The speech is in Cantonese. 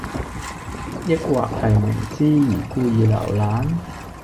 抑或係明知而故意留難?